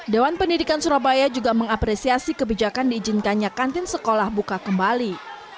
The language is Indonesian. dewan pendidikan surabaya juga mengapresiasi kebijakan diizinkannya kantin sekolah buka kembali